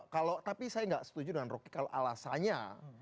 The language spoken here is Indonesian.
kalau tapi saya tidak setuju dengan roky kalau alasannya